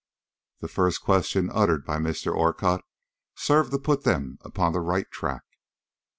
The first question uttered by Mr. Orcutt served to put them upon the right track.